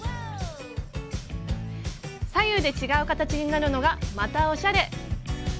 左右で違う形になるのがまたおしゃれ。